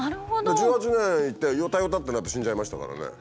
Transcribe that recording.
１８年いてよたよたってなって死んじゃいましたからね。